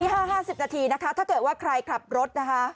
ห้าห้าสิบนาทีนะคะถ้าเกิดว่าใครขับรถนะคะ